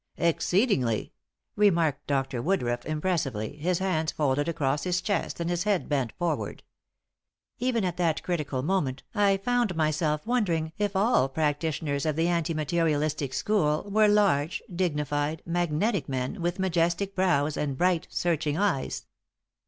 "Exceedingly," remarked Dr. Woodruff, impressively, his hands folded across his chest and his head bent forward. Even at that critical moment, I found myself wondering if all practitioners of the anti materialistic school were large, dignified, magnetic men, with majestic brows and bright, searching eyes.